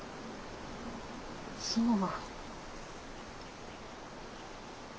そう。